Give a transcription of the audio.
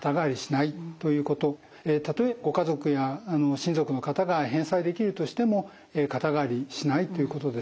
たとえご家族や親族の方が返済できるとしても肩代わりしないということです。